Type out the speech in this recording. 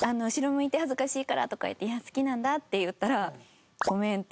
向いて恥ずかしいからとか言って好きなんだって言ったらごめんって言って。